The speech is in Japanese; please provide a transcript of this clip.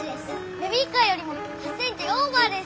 ベビーカーよりも８ｃｍオーバーです。